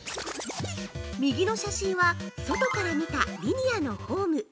右の写真は外から見たリニアのホーム。